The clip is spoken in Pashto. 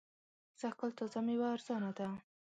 سږ کال تازه مېوه ارزانه ده.